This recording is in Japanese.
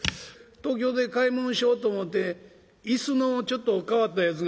東京で買い物しようと思うて椅子のちょっと変わったやつが欲しかったんで